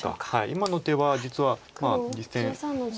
今の手は実は実戦。